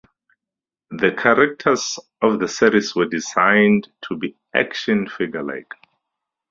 The characters of the series were designed to be "action-figure-like".